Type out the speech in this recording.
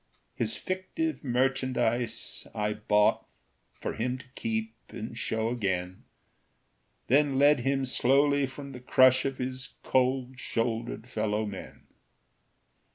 His fictive merchandise I bought For him to keep and show again, Then led him slowly from the crush Of his cold shouldered fellow men.